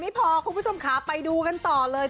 ไม่พอคุณผู้ชมค่ะไปดูกันต่อเลย